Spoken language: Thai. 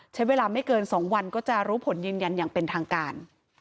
ใช้เวลาไม่เกิน๒วันก็จะรู้ผลยืนยันอย่างเป็นทางการ